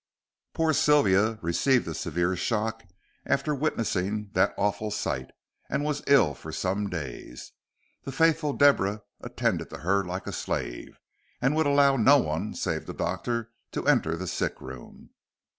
Poor Sylvia received a severe shock after witnessing that awful sight, and was ill for some days. The faithful Deborah attended to her like a slave, and would allow no one, save the doctor, to enter the sick room.